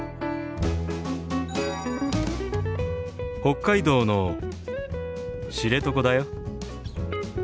北海道の知床だよ。